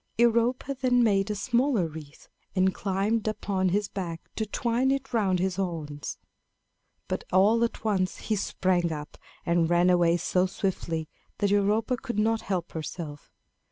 Europa then made a smaller wreath, and climbed upon his back to twine it round his horns. But all at once he sprang up, and ran away so swiftly that Europa could not help herself.